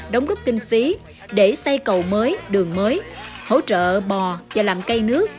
đóng góp kinh phí để xây cầu mới đường mới hỗ trợ bò và làm cây nước